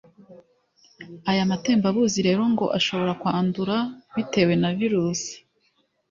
Aya matembabuzi rero ngo ashobora kwandura bitewe na virus